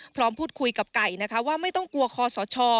พร้อมพูดคุยกับไก่นะคะว่าไม่ต้องกลัวคอสช